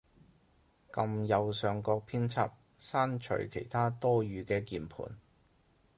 撳右上角編輯，刪除其它多餘嘅鍵盤